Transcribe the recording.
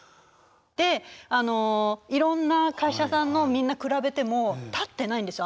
であのいろんな会社さんのみんな比べても立ってないんですよ